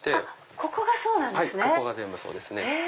ここが全部そうですね。